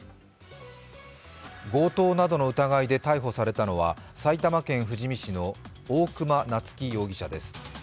強盗などの疑いで逮捕されたのは埼玉県富士見市の大熊菜月容疑者です。